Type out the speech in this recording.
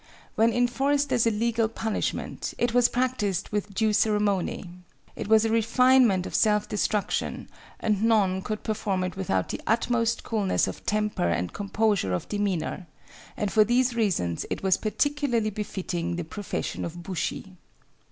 When enforced as a legal punishment, it was practiced with due ceremony. It was a refinement of self destruction, and none could perform it without the utmost coolness of temper and composure of demeanor, and for these reasons it was particularly befitting the profession of bushi.